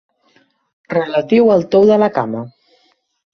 Relatiu al tou de la cama.